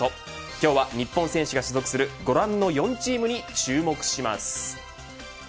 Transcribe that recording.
今日は日本選手が所属するご覧の４チームに注目します。